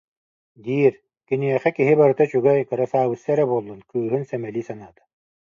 диир, киниэхэ киһи барыта үчүгэй, кырасаабысса эрэ буоллун, кыыһын сэмэлии санаата